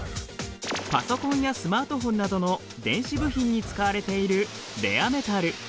パソコンやスマートフォンなどの電子部品に使われているレアメタル。